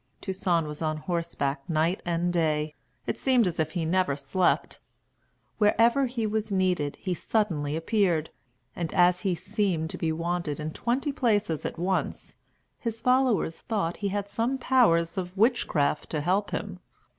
Toussaint was on horseback night and day. It seemed as if he never slept. Wherever he was needed, he suddenly appeared; and as he seemed to be wanted in twenty places at once, his followers thought he had some powers of witchcraft to help him.